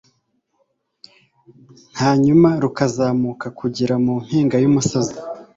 hanyuma rukazamuka kugera mu mpinga y'umusozi